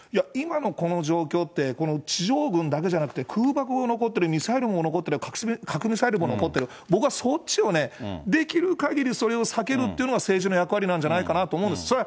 今のこの状況って、この地上軍だけじゃなくて、空爆も残ってる、ミサイルも残ってる、核ミサイルも残ってる、僕はそっちをできるかぎりそれを避けるっていうのが政治の役割なんじゃないかと思うんです。